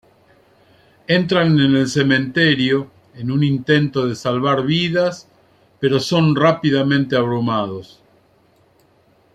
Entran en el cementerio en un intento de salvar vidas, pero son rápidamente abrumados.